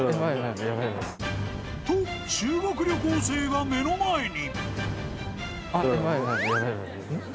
［と修学旅行生が目の前に！］